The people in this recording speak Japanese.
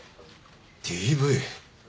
ＤＶ？